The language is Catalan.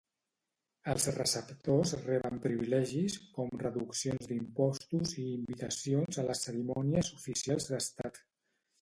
Els receptors reben privilegis com reduccions d'impostos i invitacions a les cerimònies oficials d'estat.